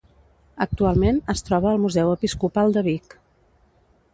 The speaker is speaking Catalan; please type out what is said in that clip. Actualment es troba al Museu Episcopal de Vic.